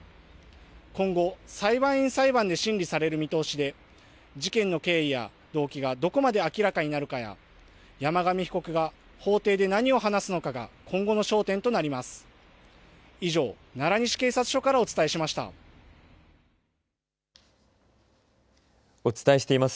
今後、裁判員裁判で審理される見通しで事件の経緯や動機がどこまで明らかになるかや山上被告が法廷で何を話すのかが今後の焦点となります。